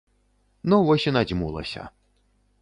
Ну вось і надзьмулася.